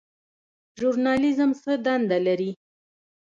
ژورنالیزم څه دنده لري؟